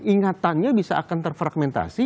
ingatannya bisa akan terfragmentasi